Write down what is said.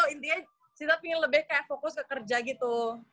intinya sita pingin lebih kayak fokus ke kerja gitu